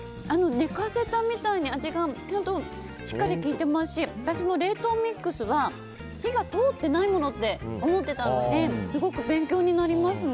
寝かせたみたいに味がちゃんとしっかり効いてますし私も冷凍ミックスは火が通ってないものって思ってたのですごく勉強になりますね。